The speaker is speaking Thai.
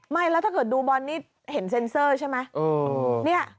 ไม่แล้วถ้าเกิดดูบอลนี่เห็นเซ็นเซอร์ใช่ไหม